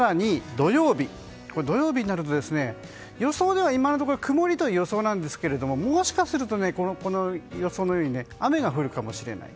更に土曜日になると予想では今のところ曇りという予想なんですがもしかすると、この予想より雨が降るかもしれない。